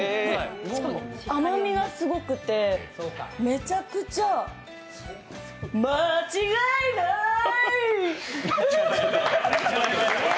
しかも、甘みがすごくてめちゃくちゃまちがいない。